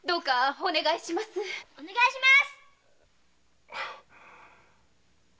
お願いします。